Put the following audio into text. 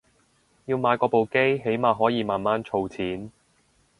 要買過部機起碼可以慢慢儲錢